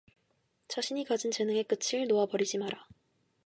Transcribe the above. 자신이 가진 재능의 끈을 놓아 버리지 마라.